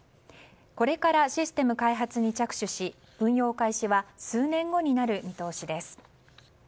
これからシステム開発に着手し運用開始は数年後になる見通しです。